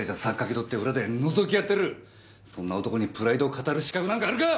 気取って裏でのぞきやってるそんな男にプライドを語る資格なんかあるか！！